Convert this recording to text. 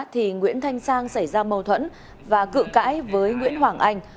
thì nguyễn thanh sang xảy ra mâu thuẫn và cự cãi với nguyễn hoàng anh